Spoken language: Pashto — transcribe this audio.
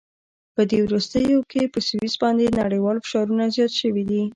په دې وروستیو کې په سویس باندې نړیوال فشارونه زیات شوي دي.